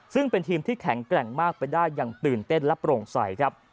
ซึ่งเป็นทีมที่แข็งแกร่งมากไปได้อย่างตื่นเต้นและโปร่งใสครับ